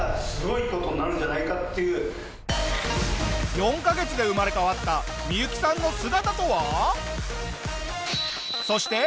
４カ月で生まれ変わったミユキさんの姿とは？